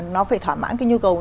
nó phải thỏa mãn cái nhu cầu